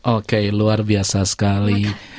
oke luar biasa sekali